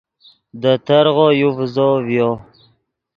دے ترغو یو ڤیزو ڤیو